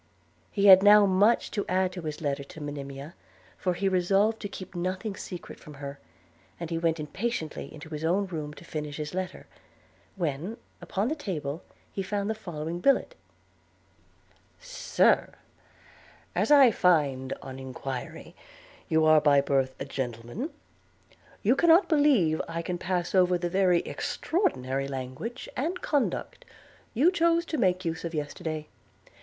He had now much to add to his letter to Monimia, for he resolved to keep nothing secret from her; and he went impatiently into his own room to finish his letter, when, upon the table, he found the following billet: 'SIR, 'As I find, on enquiry, you are by birth a gentleman, you cannot believe I can pass over the very extraordinary language and conduct you chose to make use of yesterday.